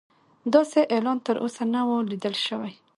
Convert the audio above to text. داسې اعلان تر اوسه نه و لیدل شوی.